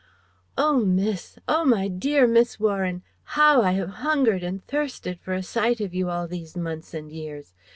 "Oh miss, oh my dear Miss Warren! How I have hungered and thirsted for a sight of you all these months and years!